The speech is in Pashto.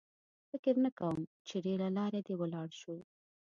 فکر نه کوم چې ډېره لار دې ولاړ شو.